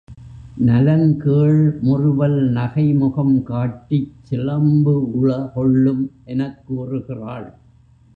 நலங்கேழ் முறுவல் நகைமுகம் காட்டிச் சிலம்பு உள கொள்ளும் எனக் கூறுகிறாள்.